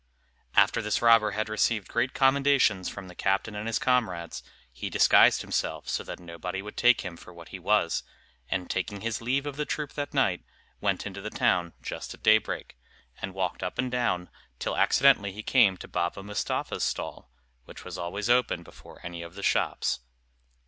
After this robber had received great commendations from the captain and his comrades, he disguised himself so that nobody would take him for what he was; and taking his leave of the troop that night, went into the town just at daybreak, and walked up and down, till accidentally he came to Baba Mustapha's stall, which was always open before any of the shops.